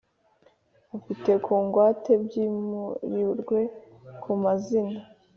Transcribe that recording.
Afite ku ngwate byimurirwe ku mazina